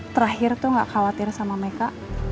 terakhir tuh gak khawatir sama meka